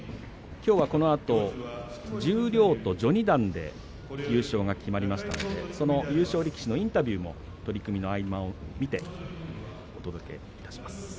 きょうは、このあと十両と序二段で優勝が決まりましたのでその優勝力士のインタビューを取組の間にご紹介いたします。